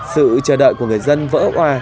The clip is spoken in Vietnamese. sự chờ đợi của người dân vỡ hoa